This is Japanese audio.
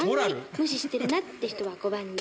無視してるなって人は５番に。